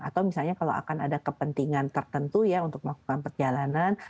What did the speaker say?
atau misalnya kalau akan ada kepentingan tertentu ya untuk melakukan perjalanan